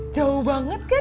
jauh banget kan